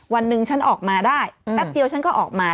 วันหนึ่งฉันออกมาได้แป๊บเดียวฉันก็ออกมา